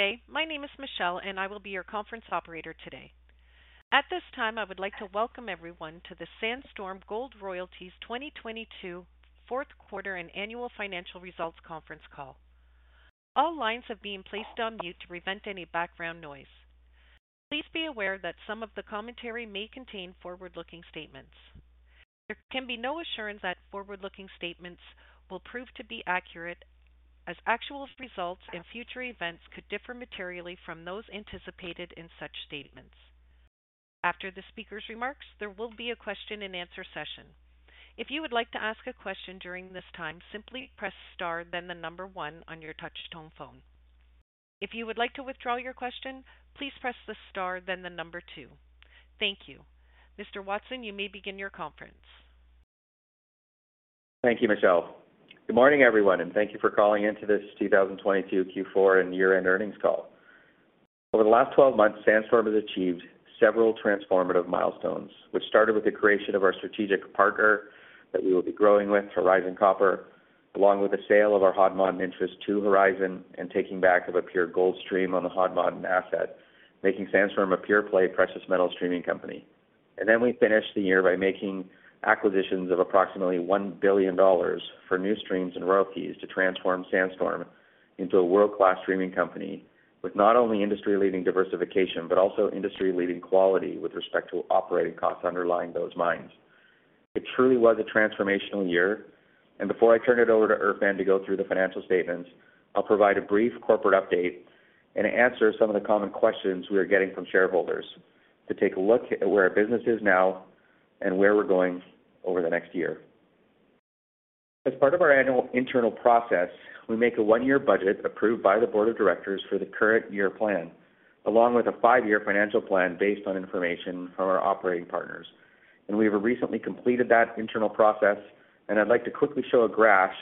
Good day. My name is Michelle, and I will be your conference operator today. At this time, I would like to welcome everyone to the Sandstorm Gold Royalties 2022 Q4 and annual financial results conference call. All lines have been placed on mute to prevent any background noise. Please be aware that some of the commentary may contain forward-looking statements. There can be no assurance that forward-looking statements will prove to be accurate, as actual results and future events could differ materially from those anticipated in such statements. After the speaker's remarks, there will be a question-and-answer session. If you would like to ask a question during this time, simply press star then the one on your touchtone phone. If you would like to withdraw your question, please press the star then the two. Thank you. Mr. Watson, you may begin your conference. Thank you, Michelle. Good morning, everyone, and thank you for calling in to this 2022 Q4 and year-end earnings call. Over the last 12 months, Sandstorm has achieved several transformative milestones, which started with the creation of our strategic partner that we will be growing with, Horizon Copper, along with the sale of our Hod Maden interest to Horizon and taking back of a pure gold stream on the Hod Maden asset, making Sandstorm a pure-play precious metal streaming company. Then we finished the year by making acquisitions of approximately $1 billion for new streams and royalties to transform Sandstorm into a world-class streaming company with not only industry-leading diversification, but also industry-leading quality with respect to operating costs underlying those mines. It truly was a transformational year. Before I turn it over to Erfan to go through the financial statements, I'll provide a brief corporate update and answer some of the common questions we are getting from shareholders to take a look at where our business is now and where we're going over the next year. As part of our annual internal process, we make a one-year budget approved by the board of directors for the current year plan, along with a five-year financial plan based on information from our operating partners. We have recently completed that internal process, and I'd like to quickly show a graph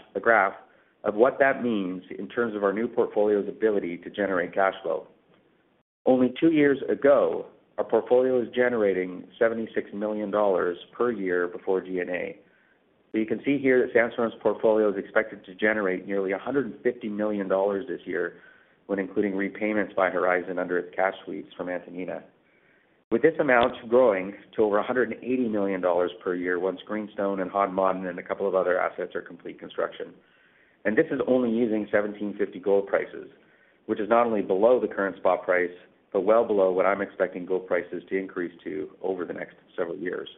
of what that means in terms of our new portfolio's ability to generate cash flow. Only two years ago, our portfolio was generating $76 million per year before G&A. You can see here that Sandstorm's portfolio is expected to generate nearly $150 million this year when including repayments by Horizon Copper under its cash sweep from Antamina. With this amount growing to over $180 million per year once Greenstone and Hod Maden and a couple of other assets are complete construction. This is only using 1,750 gold prices, which is not only below the current spot price, but well below what I'm expecting gold prices to increase to over the next several years.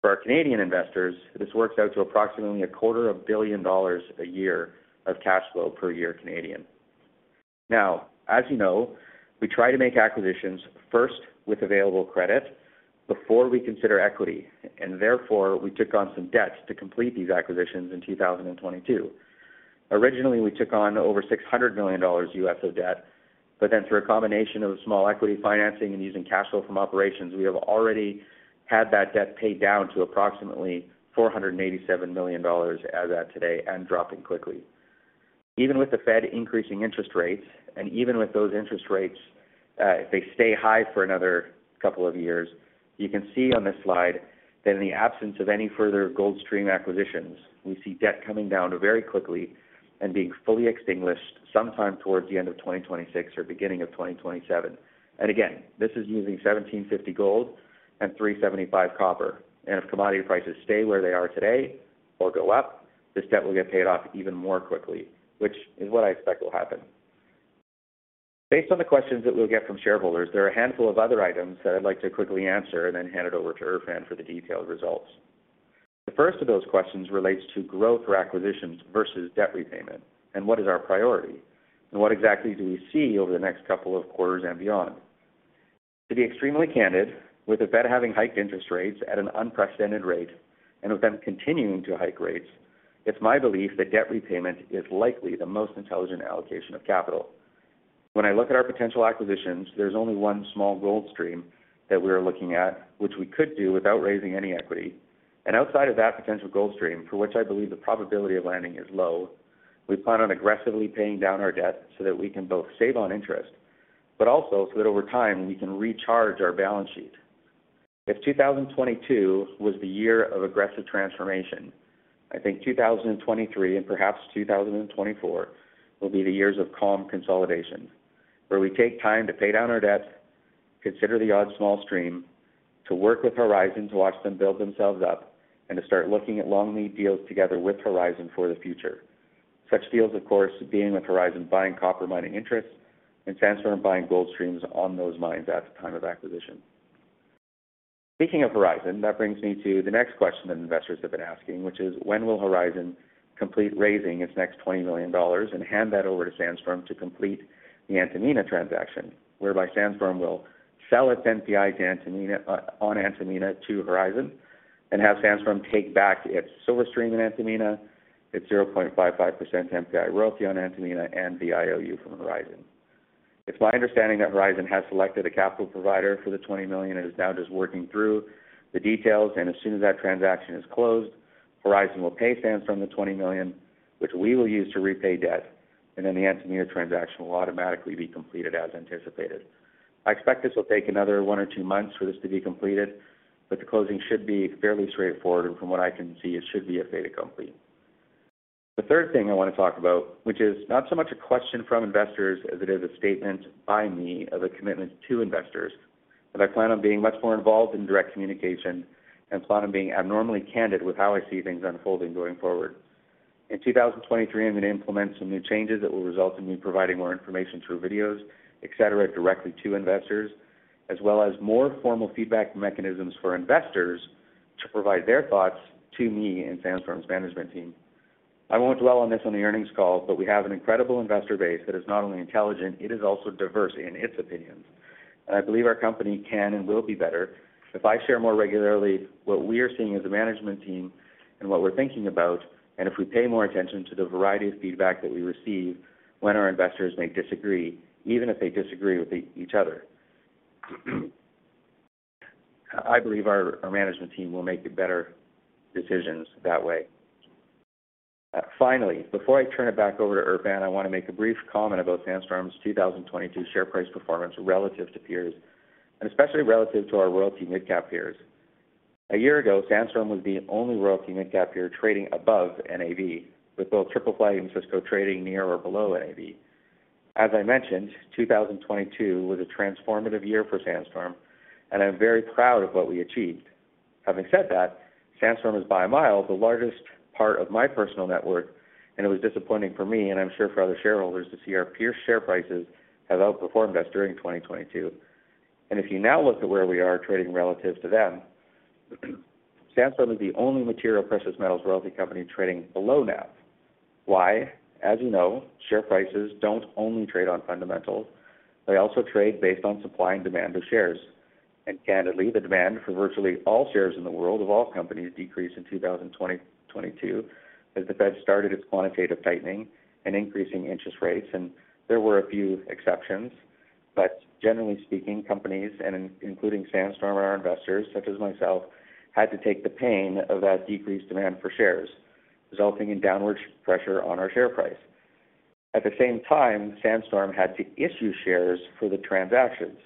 For our Canadian investors, this works out to approximately a quarter of billion dollars a year of cash flow per year Canadian. As you know, we try to make acquisitions first with available credit before we consider equity, and therefore, we took on some debt to complete these acquisitions in 2022. Originally, we took on over $600 million U.S. of debt, through a combination of small equity financing and using cash flow from operations, we have already had that debt paid down to approximately $487 million as of today and dropping quickly. Even with the Fed increasing interest rates and even with those interest rates, if they stay high for another couple of years, you can see on this slide that in the absence of any further gold stream acquisitions, we see debt coming down very quickly and being fully extinguished sometime towards the end of 2026 or beginning of 2027. Again, this is using $1,750 gold and $3.75 copper. If commodity prices stay where they are today or go up, this debt will get paid off even more quickly, which is what I expect will happen. Based on the questions that we'll get from shareholders, there are a handful of other items that I'd like to quickly answer and then hand it over to Erfan for the detailed results. The first of those questions relates to growth or acquisitions versus debt repayment and what is our priority, and what exactly do we see over the next couple of quarters and beyond. To be extremely candid, with the Fed having hiked interest rates at an unprecedented rate and with them continuing to hike rates, it's my belief that debt repayment is likely the most intelligent allocation of capital. When I look at our potential acquisitions, there's only one small gold stream that we are looking at, which we could do without raising any equity. Outside of that potential gold stream, for which I believe the probability of landing is low, we plan on aggressively paying down our debt so that we can both save on interest, but also so that over time, we can recharge our balance sheet. If 2022 was the year of aggressive transformation, I think 2023 and perhaps 2024 will be the years of calm consolidation, where we take time to pay down our debt, consider the odd small stream, to work with Horizon to watch them build themselves up, and to start looking at long lead deals together with Horizon for the future. Such deals, of course, being with Horizon buying copper mining interests and Sandstorm buying gold streams on those mines at the time of acquisition. Speaking of Horizon, that brings me to the next question that investors have been asking, which is: When will Horizon complete raising its next $20 million and hand that over to Sandstorm to complete the Antamina transaction, whereby Sandstorm will sell its NPI to Antamina, on Antamina to Horizon and have Sandstorm take back its silver stream in Antamina, its 0.55% NPI royalty on Antamina, and the IOU from Horizon? It's my understanding that Horizon has selected a capital provider for the $20 million and is now just working through the details, and as soon as that transaction is closed, Horizon will pay Sandstorm the $20 million, which we will use to repay debt, and then the Antamina transaction will automatically be completed as anticipated. I expect this will take another one or two months for this to be completed, but the closing should be fairly straightforward, and from what I can see, it should be a fait accompli. The third thing I want to talk about, which is not so much a question from investors as it is a statement by me of a commitment to investors, that I plan on being much more involved in direct communication and plan on being abnormally candid with how I see things unfolding going forward. In 2023, I'm going to implement some new changes that will result in me providing more information through videos, et cetera, directly to investors, as well as more formal feedback mechanisms for investors to provide their thoughts to me and Sandstorm's management team. I won't dwell on this on the earnings call. We have an incredible investor base that is not only intelligent, it is also diverse in its opinions. I believe our company can and will be better if I share more regularly what we are seeing as a management team and what we're thinking about, and if we pay more attention to the variety of feedback that we receive when our investors may disagree, even if they disagree with each other. I believe our management team will make better decisions that way. Finally, before I turn it back over to Erfan, I want to make a brief comment about Sandstorm's 2022 share price performance relative to peers, and especially relative to our royalty midcap peers. A year ago, Sandstorm was the only royalty midcap peer trading above NAV, with both Triple Five and Osisko trading near or below NAV. As I mentioned, 2022 was a transformative year for Sandstorm, and I'm very proud of what we achieved. Having said that, Sandstorm is by a mile the largest part of my personal network, and it was disappointing for me, and I'm sure for other shareholders, to see our peer share prices have outperformed us during 2022. If you now look at where we are trading relative to them, Sandstorm is the only material precious metals royalty company trading below NAV. Why? As you know, share prices don't only trade on fundamentals, they also trade based on supply and demand of shares. Candidly, the demand for virtually all shares in the world of all companies decreased in 2022 as the Fed started its quantitative tightening and increasing interest rates. There were a few exceptions. Generally speaking, companies and including Sandstorm and our investors, such as myself, had to take the pain of that decreased demand for shares, resulting in downward pressure on our share price. At the same time, Sandstorm had to issue shares for the transactions.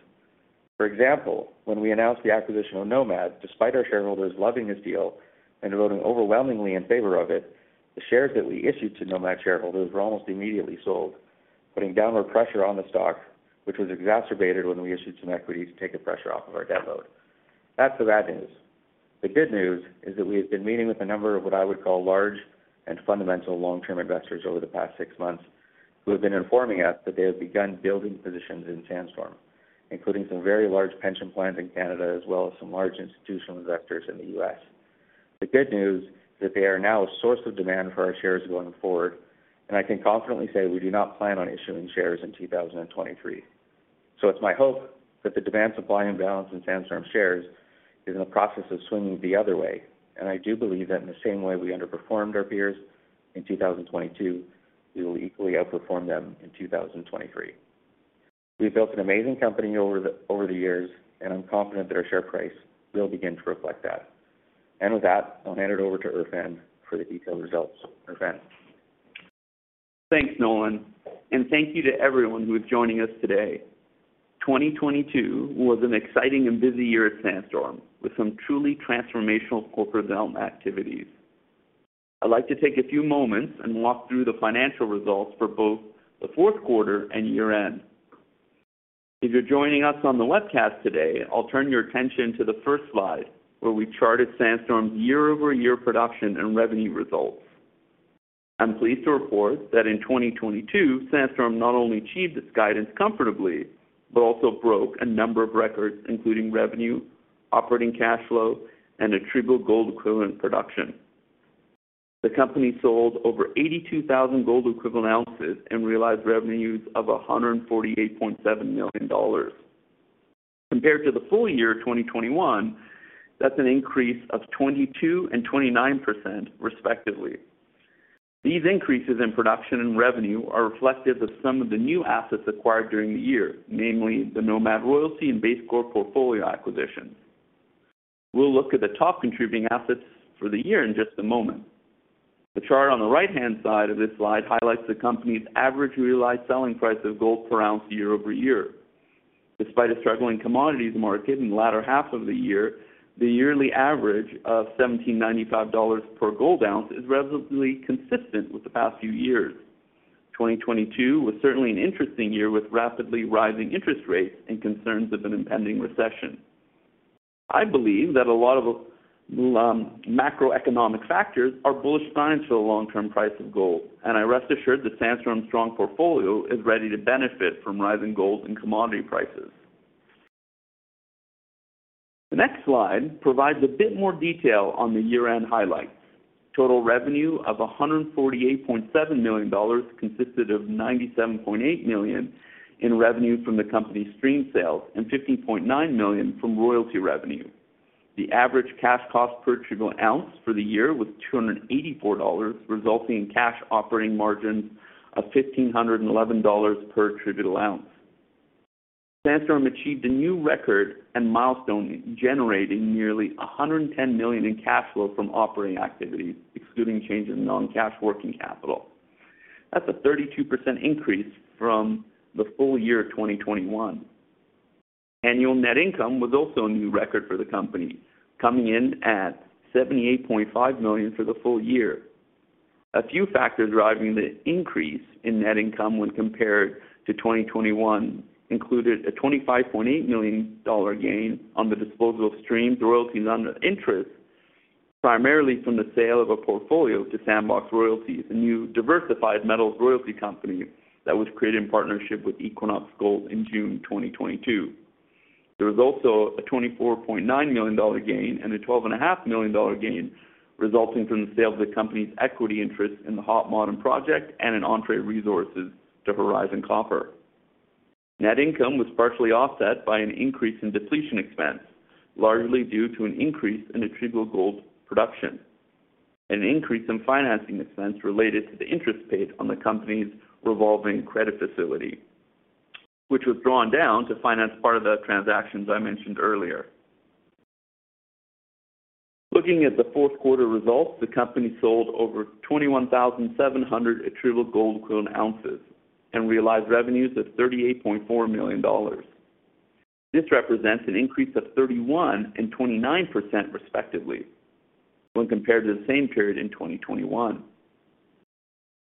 For example, when we announced the acquisition of Nomad, despite our shareholders loving this deal and voting overwhelmingly in favor of it, the shares that we issued to Nomad shareholders were almost immediately sold, putting downward pressure on the stock, which was exacerbated when we issued some equity to take the pressure off of our debt load. That's the bad news. The good news is that we have been meeting with a number of what I would call large and fundamental long-term investors over the past six months who have been informing us that they have begun building positions in Sandstorm, including some very large pension plans in Canada as well as some large institutional investors in the U.S. The good news that they are now a source of demand for our shares going forward. I can confidently say we do not plan on issuing shares in 2023. It's my hope that the demand-supply imbalance in Sandstorm shares is in the process of swinging the other way. I do believe that in the same way we underperformed our peers in 2022, we will equally outperform them in 2023. We've built an amazing company over the years. I'm confident that our share price will begin to reflect that. With that, I'll hand it over to Erfan for the detailed results. Erfan? Thanks, Nolan. Thank you to everyone who is joining us today. 2022 was an exciting and busy year at Sandstorm, with some truly transformational corporate realm activities. I'd like to take a few moments and walk through the financial results for both the Q4 and year-end. If you're joining us on the webcast today, I'll turn your attention to the first slide, where we charted Sandstorm's year-over-year production and revenue results. I'm pleased to report that in 2022, Sandstorm not only achieved its guidance comfortably, but also broke a number of records, including revenue, operating cash flow, and attributable gold equivalent production. The company sold over 82,000 gold equivalent ounces and realized revenues of $148.7 million. Compared to the full year of 2021, that's an increase of 22% and 29% respectively. These increases in production and revenue are reflective of some of the new assets acquired during the year, namely the Nomad Royalty and BaseCore portfolio acquisitions. We'll look at the top contributing assets for the year in just a moment. The chart on the right-hand side of this slide highlights the company's average realized selling price of gold per ounce year-over-year. Despite a struggling commodities market in the latter half of the year, the yearly average of $1,795 per gold ounce is relatively consistent with the past few years. 2022 was certainly an interesting year with rapidly rising interest rates and concerns of an impending recession. I believe that a lot of macroeconomic factors are bullish signs for the long-term price of gold. I rest assured that Sandstorm's strong portfolio is ready to benefit from rising gold and commodity prices. The next slide provides a bit more detail on the year-end highlights. Total revenue of $148.7 million consisted of $97.8 million in revenue from the company's stream sales and $15.9 million from royalty revenue. The average cash cost per trivial ounce for the year was $284, resulting in cash operating margins of $1,511 per trivial ounce. Sandstorm achieved a new record and milestone, generating nearly $110 million in cash flow from operating activities, excluding changes in non-cash working capital. That's a 32% increase from the full year of 2021. Annual net income was also a new record for the company, coming in at $78.5 million for the full year. A few factors driving the increase in net income when compared to 2021 included a $25.8 million gain on the disposal of streams royalties on interest, primarily from the sale of a portfolio to Sandbox Royalties, a new diversified metals royalty company that was created in partnership with Equinox Gold in June 2022. There was also a $24.9 million gain and a twelve and a half million dollar gain resulting from the sale of the company's equity interest in the Hod Maden Project and in Entrée Resources to Horizon Copper. Net income was partially offset by an increase in depletion expense, largely due to an increase in attributable gold production. An increase in financing expense related to the interest paid on the company's revolving credit facility, which was drawn down to finance part of the transactions I mentioned earlier. Looking at the Q4 results, the company sold over 21,700 attributable gold equivalent ounces and realized revenues of $38.4 million. This represents an increase of 31% and 29% respectively when compared to the same period in 2021.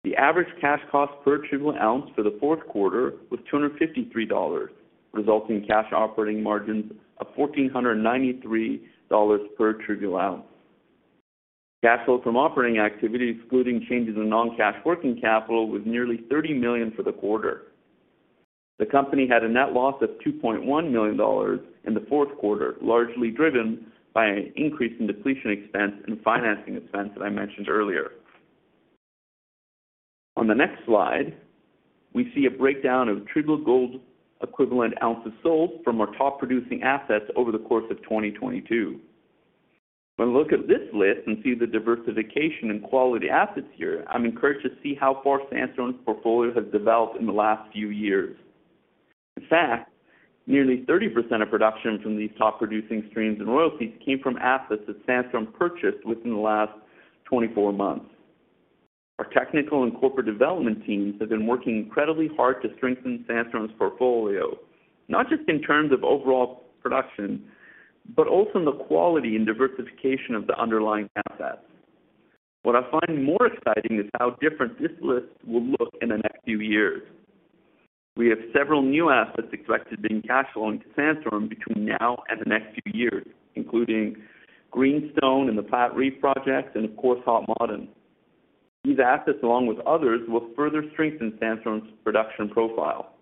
The average cash cost per attributable ounce for the Q4 was $253, resulting in cash operating margins of $1,493 per attributable ounce. Cash flow from operating activities, excluding changes in non-cash working capital, was nearly $30 million for the quarter. The company had a net loss of $2.1 million in the Q4, largely driven by an increase in depletion expense and financing expense that I mentioned earlier. On the next slide, we see a breakdown of attributable gold equivalent ounces sold from our top producing assets over the course of 2022. When I look at this list and see the diversification and quality assets here, I'm encouraged to see how far Sandstorm's portfolio has developed in the last few years. In fact, nearly 30% of production from these top-producing streams and royalties came from assets that Sandstorm purchased within the last 24 months. Our technical and corporate development teams have been working incredibly hard to strengthen Sandstorm's portfolio, not just in terms of overall production, but also in the quality and diversification of the underlying assets. What I find more exciting is how different this list will look in the next few years. We have several new assets expected to bring cash flow into Sandstorm between now and the next few years, including Greenstone and the Platreef projects, and of course, Hod Maden. These assets, along with others, will further strengthen Sandstorm's production profile.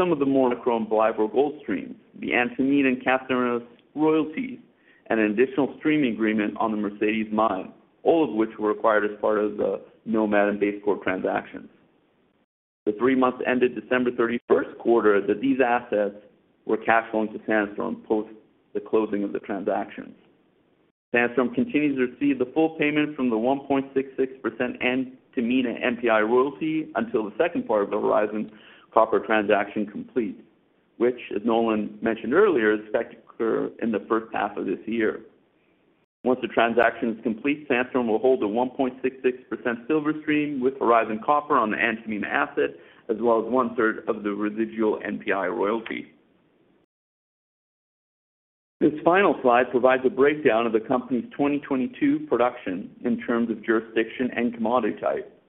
Some of the more Chrome Blyberg gold streams, the Antamina and Caserones royalties, and an additional streaming agreement on the Mercedes mine, all of which were acquired as part of the Nomad and BaseCore transactions. The three months ended 31st December quarter that these assets were cash flowing to Sandstorm post the closing of the transactions. Sandstorm continues to receive the full payment from the 1.66% Antamina NPI royalty until the second part of the Horizon Copper transaction complete, which, as Nolan mentioned earlier, is expected to occur in the first half of this year. Once the transaction is complete, Sandstorm will hold the 1.66% silver stream with Horizon Copper on the Antamina asset, as well as one-third of the residual NPI royalty. This final slide provides a breakdown of the company's 2022 production in terms of jurisdiction and commodity type.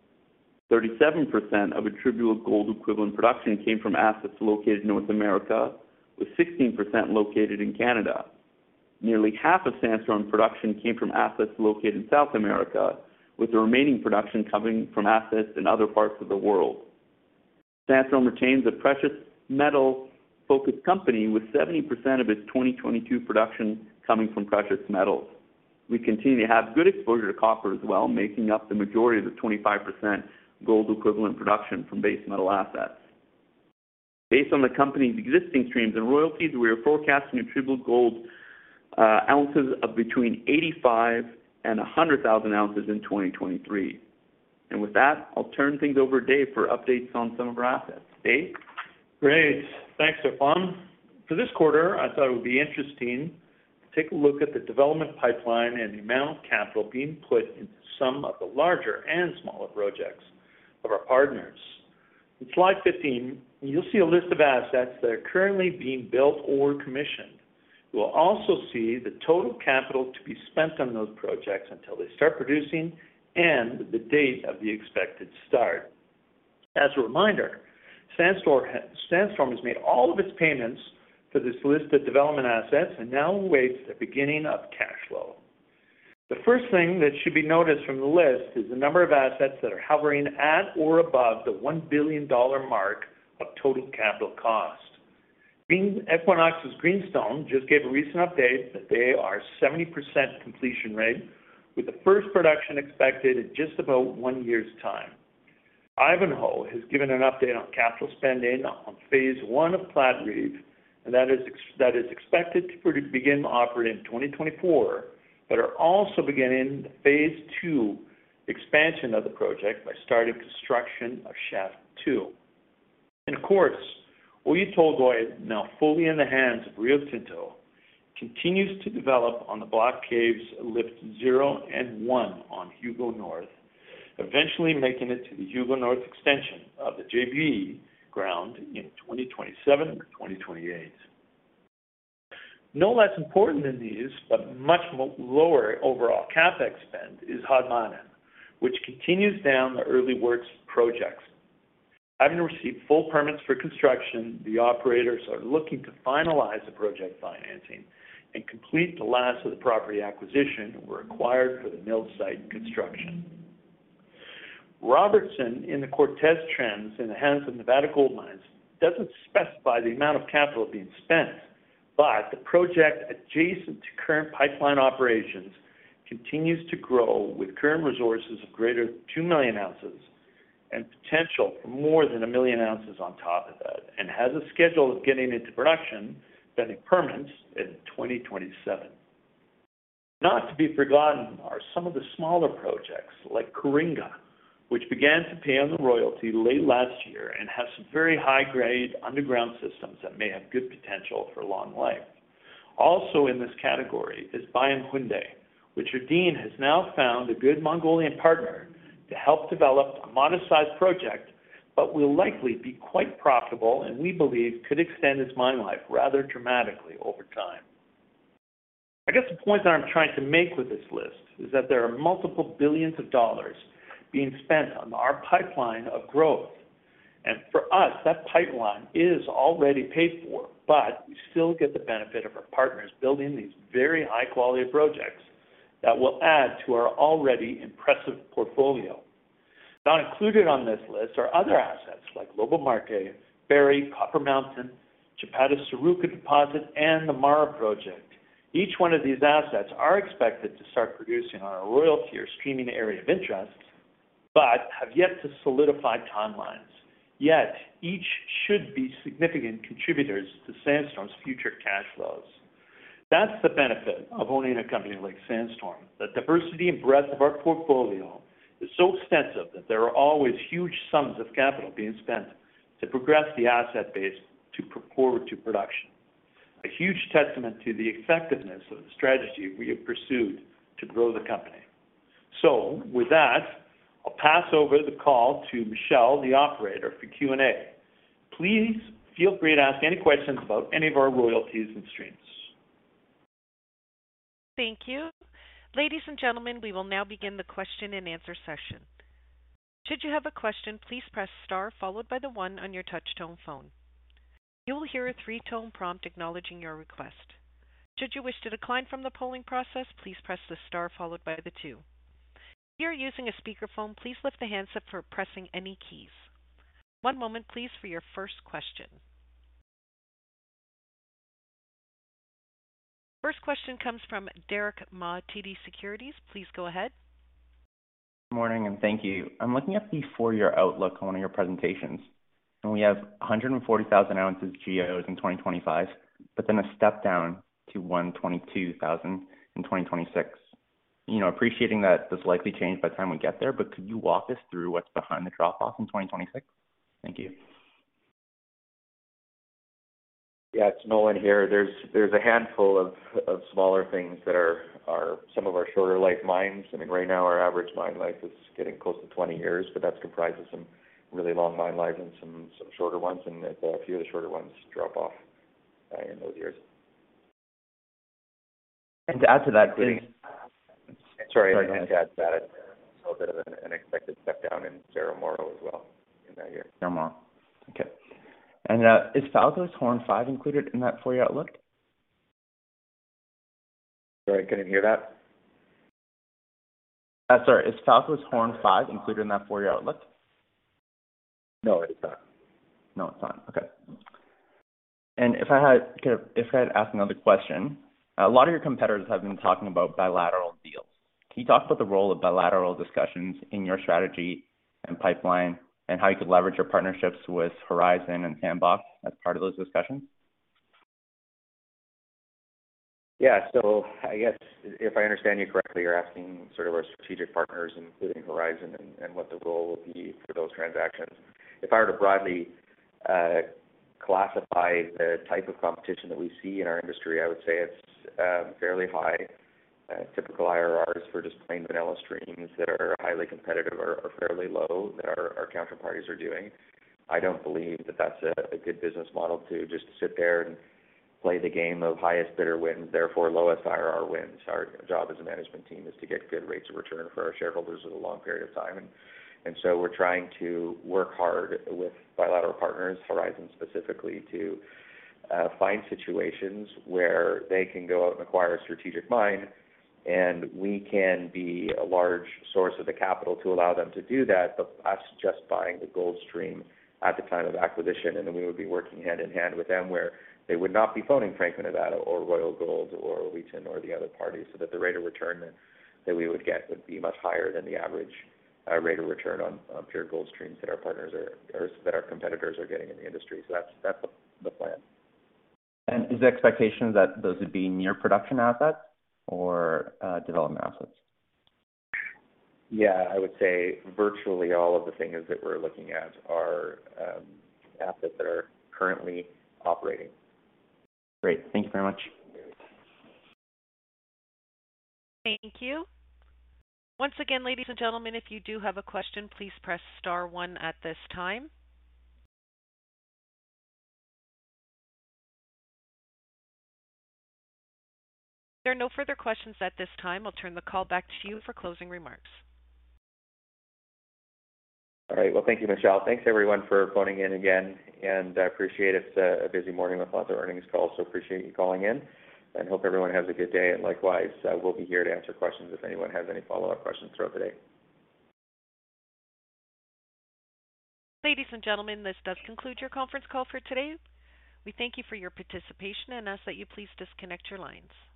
37% of attributable gold equivalent production came from assets located in North America, with 16% located in Canada. Nearly half of Sandstorm production came from assets located in South America, with the remaining production coming from assets in other parts of the world. Sandstorm retains a precious metal-focused company, with 70% of its 2022 production coming from precious metals. We continue to have good exposure to copper as well, making up the majority of the 25% gold equivalent production from base metal assets. Based on the company's existing streams and royalties, we are forecasting attributable gold ounces of between 85 and 100,000 ounces in 2023. With that, I'll turn things over to Dave for updates on some of our assets. Dave? Great. Thanks, Erfan. For this quarter, I thought it would be interesting to take a look at the development pipeline and the amount of capital being put into some of the larger and smaller projects of our partners. In Slide 15, you'll see a list of assets that are currently being built or commissioned. You will also see the total capital to be spent on those projects until they start producing and the date of the expected start. As a reminder, Sandstorm has made all of its payments for this list of development assets and now awaits the beginning of cash flow. The first thing that should be noticed from the list is the number of assets that are hovering at or above the $1 billion mark of total capital cost. Equinox's Greenstone just gave a recent update that they are 70% completion rate with the first production expected in just about one year's time. Ivanhoe has given an update on capital spending on phase 1 of Platreef, and that is expected to begin operating in 2024, but are also beginning the phase 2 expansion of the project by starting construction of shaft 2. Of course, Oyu Tolgoi is now fully in the hands of Rio Tinto. Continues to develop on the Block Cave Lift 0 and 1 on Hugo North, eventually making it to the Hugo North extension of the JV ground in 2027 or 2028. No less important than these, but much lower overall CapEx spend is Hod Maden, which continues down the early works projects. Having received full permits for construction, the operators are looking to finalize the project financing and complete the last of the property acquisition were acquired for the mill site construction. Robertson in the Cortez Trend in the hands of Nevada Gold Mines doesn't specify the amount of capital being spent, but the project adjacent to current pipeline operations continues to grow, with current resources of greater than 2 million ounces and potential for more than 1 million ounces on top of that, and has a schedule of getting into production pending permits in 2027. Not to be forgotten are some of the smaller projects like which began to pay on the royalty late last year and have some very high-grade underground systems that may have good potential for long life. Also in this category is Bayan Khundii, which Erdene has now found a good Mongolian partner to help develop a modest-sized project but will likely be quite profitable and we believe could extend its mine life rather dramatically over time. I guess the point that I'm trying to make with this list is that there are multiple billions of dollars being spent on our pipeline of growth. For us, that pipeline is already paid for, but we still get the benefit of our partners building these very high-quality projects that will add to our already impressive portfolio. Not included on this list are other assets like Lobo-Marte, Barry, Copper Mountain, Chapada Suruca deposit, and the MARA project. Each one of these assets are expected to start producing on a royalty or streaming area of interest but have yet to solidify timelines. Yet each should be significant contributors to Sandstorm's future cash flows. That's the benefit of owning a company like Sandstorm. The diversity and breadth of our portfolio is so extensive that there are always huge sums of capital being spent to progress the asset base to put forward to production. A huge testament to the effectiveness of the strategy we have pursued to grow the company. With that, I'll pass over the call to Michelle, the operator for Q&A. Please feel free to ask any questions about any of our royalties and streams. Thank you. Ladies and gentlemen, we will now begin the question-and-answer session. Should you have a question, please press star followed by the one on your touch tone phone. You will hear a three-tone prompt acknowledging your request. Should you wish to decline from the polling process, please press the star followed by the two. If you are using a speakerphone, please lift the handset for pressing any keys. One moment please for your first question. First question comes from Derik Ma, TD Securities. Please go ahead. Morning. Thank you. I'm looking at the four-year outlook on one of your presentations. We have 140,000 ounces GEOs in 2025. A step down to 122,000 in 2026. You know, appreciating that this will likely change by the time we get there. Could you walk us through what's behind the drop off in 2026? Thank you. Yeah, it's Nolan here. There's a handful of smaller things that are some of our shorter life mines. I mean, right now our average mine life is getting close to 20 years, but that's comprised of some really long mine lives and some shorter ones, and a few of the shorter ones drop off in those years. To add to that, please. Sorry. Sorry, go ahead. To add to that, there's a little bit of an unexpected step down in Cerro Moro as well in that year. Cerro Moro. Okay. Is Falco's Horne 5 included in that four-year outlook? Sorry, I couldn't hear that. Sorry. Is Falco's Horne 5 included in that four-year outlook? No, it's not. No, it's not. Okay. If I had to ask another question, a lot of your competitors have been talking about bilateral deals. Can you talk about the role of bilateral discussions in your strategy and pipeline and how you could leverage your partnerships with Horizon and Sandbox as part of those discussions? Yeah. I guess if I understand you correctly, you're asking sort of our strategic partners, including Horizon and what the role will be for those transactions. If I were to broadly classify the type of competition that we see in our industry, I would say it's fairly high. Typical IRRs for just plain vanilla streams that are highly competitive are fairly low that our counterparties are doing. I don't believe that that's a good business model to just sit there and play the game of highest bidder wins, therefore lowest IRR wins. Our job as a management team is to get good rates of return for our shareholders over a long period of time. We're trying to work hard with bilateral partners, Horizon specifically, to find situations where they can go out and acquire a strategic mine, and we can be a large source of the capital to allow them to do that, but us just buying the gold stream at the time of acquisition, and then we would be working hand in hand with them where they would not be phoning Franco-Nevada or Royal Gold or Wheaton or the other parties, so that the rate of return that we would get would be much higher than the average rate of return on pure gold streams that our partners are, or that our competitors are getting in the industry. That's the plan. Is the expectation that those would be near production assets or development assets? Yeah, I would say virtually all of the things that we're looking at are, assets that are currently operating. Great. Thank you very much. You're welcome. Thank you. Once again, ladies and gentlemen, if you do have a question, please press star one at this time. There are no further questions at this time. I'll turn the call back to you for closing remarks. All right. Well, thank you, Michelle. Thanks everyone for phoning in again. I appreciate it's a busy morning with lots of earnings calls. Appreciate you calling in and hope everyone has a good day. Likewise, we'll be here to answer questions if anyone has any follow-up questions throughout the day. Ladies and gentlemen, this does conclude your conference call for today. We thank you for your participation and ask that you please disconnect your lines.